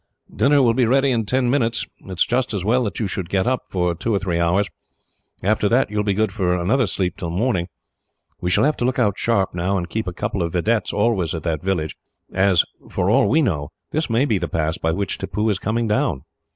"Dinner will be ready in ten minutes. It is just as well that you should get up, for two or three hours. After that, you will be good for another sleep till morning. We shall have to look out sharp now, and keep a couple of vedettes always at that village; as, for all we know, this may be the pass by which Tippoo is coming down."